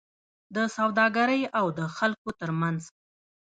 د سوداګرۍاو د خلکو ترمنځ